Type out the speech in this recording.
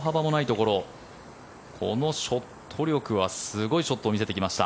このショット力はすごいショットを見せてきました。